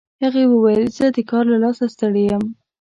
هغې وویل چې زه د کار له لاسه ستړي یم